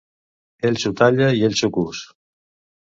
Ell s'ho talla i ell s'ho cus.